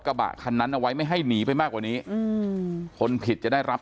กระบะคันนั้นเอาไว้ไม่ให้หนีไปมากกว่านี้อืมคนผิดจะได้รับ